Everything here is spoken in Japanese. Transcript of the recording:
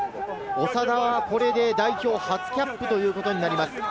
長田はこれで代表初キャップということになります。